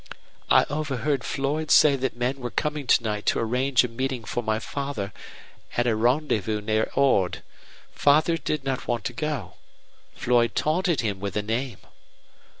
"I overheard Floyd say that men were coming to night to arrange a meeting for my father at a rendezvous near Ord. Father did not want to go. Floyd taunted him with a name."